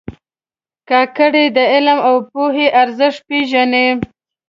کاکړي د علم او پوهې ارزښت پېژني.